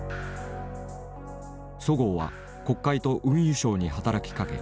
十河は国会と運輸省に働きかけ